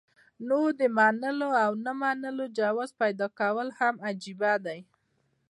نو د منلو او نۀ منلو جواز پېدا کول هم عجيبه ده